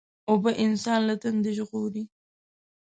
اوبه انسان له تندې ژغوري.